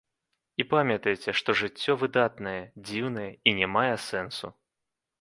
І памятайце, што жыццё выдатнае, дзіўнае і не мае сэнсу.